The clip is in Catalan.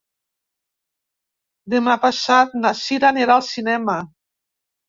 Demà passat na Sira anirà al cinema.